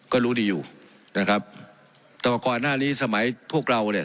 ก็รู้ดีอยู่นะครับแต่ว่าก่อนหน้านี้สมัยพวกเราเนี่ย